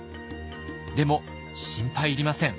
でも心配いりません。